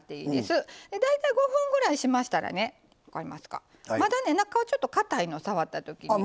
大体５分ぐらいしましたらね分かりますかまだね中はちょっとかたいの触った時に。